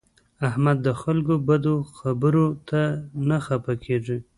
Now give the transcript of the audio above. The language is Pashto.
احمد د خلکو بدو خبرو ته نه خپه کېږي.